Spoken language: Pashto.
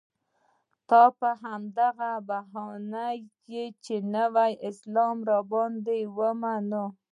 ته په همدې بهانه راغلی یې چې نوی اسلام را باندې ومنې.